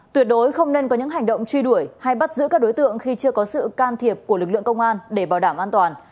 tuyệt đối không nên có những hành động truy đuổi hay bắt giữ các đối tượng khi chưa có sự can thiệp của lực lượng công an để bảo đảm an toàn